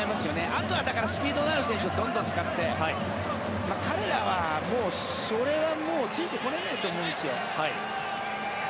あとはスピードがある選手をどんどん使って彼らは、それはもうついてこれないと思うんですよ。